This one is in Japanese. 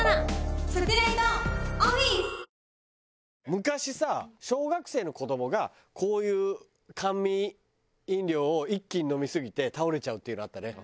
昔さ小学生の子どもがこういう甘味飲料を一気に飲みすぎて倒れちゃうっていうのあったね。